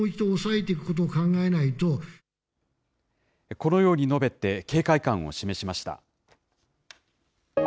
このように述べて、警戒感を示しました。